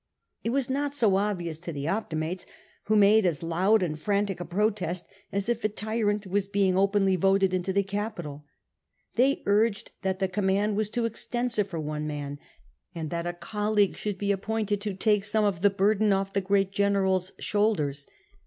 It was not so obvious to the Optimates, who made as loud and frantic a protest as if a tyrant was being openly voted into the Capitol. They urged that the command was too extensive for one man, and that a colleague should be appointed to take some of the burden off the great generahs shoulders.